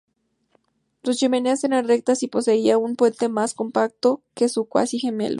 Sus chimeneas eran rectas y poseía un puente más compacto que su cuasi gemelo.